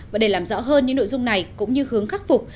và để làm rõ hơn những nội dung này cũng như hướng khắc phục